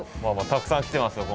たくさん来てますよ